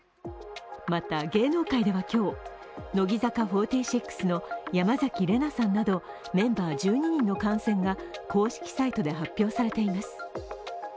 また、芸能界では今日乃木坂４６の山崎怜奈さんなどメンバー１２人の感染が公式サイトで発表されています。